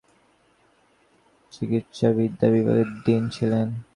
তিনি কলকাতা বিশ্ববিদ্যালয়ের চিকিত্সাবিদ্যা বিভাগের ডীন ছিলেন।